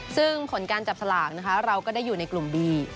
ซึ่งผลการจับสลากนะคะเราก็ได้อยู่ในกลุ่มบี